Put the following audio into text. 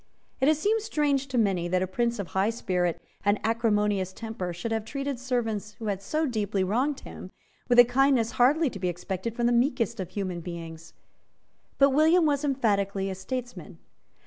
It has seemed strange to many that a Prince of high spirit and acrimonious temper should have treated servants, who had so deeply wronged him, with a kindness hardly to be expected from the meekest of human beings. But William was emphatically a statesman.